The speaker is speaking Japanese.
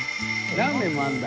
ラーメンもあるんだ。